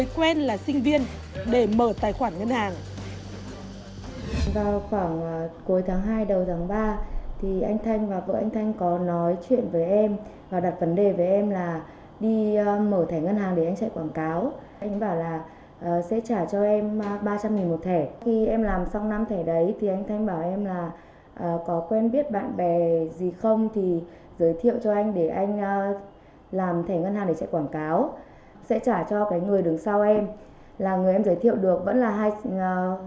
huyền đã liên hệ với các bạn bè người quen là sinh viên để mở tài khoản ngân hàng